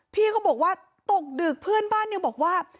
พี่ก็บอกว่าตกดึกเพื่อนบ้านเนี่ยบอกว่า